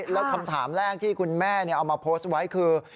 แล้วคำถามแรกที่คุณแม่เอามาโพสต์ไว้คือ